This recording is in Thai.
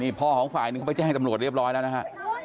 นี่พ่อของฝ่ายหนึ่งเขาไปแจ้งตำรวจเรียบร้อยแล้วนะฮะ